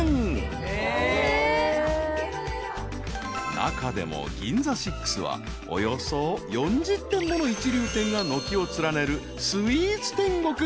［中でもＧＩＮＺＡＳＩＸはおよそ４０店もの一流店が軒を連ねるスイーツ天国］